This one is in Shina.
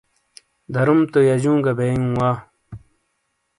دروم تو یجون گہ بیئوں وا۔